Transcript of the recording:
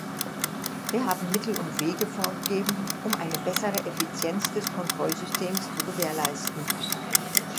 Wir haben Mittel und Wege vorgegeben, um eine bessere Effizienz des Kontrollsystems zu gewährleisten.